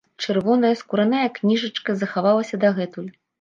Чырвоная скураная кніжачка захавалася дагэтуль.